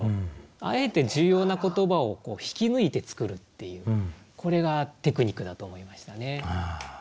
あえて重要な言葉を引き抜いて作るっていうこれがテクニックだと思いましたね。